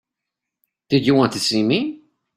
Did you want to see me?